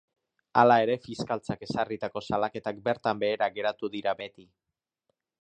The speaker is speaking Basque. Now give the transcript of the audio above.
Hala ere, Fiskaltzak ezarritako salaketak bertan behera geratu dira beti.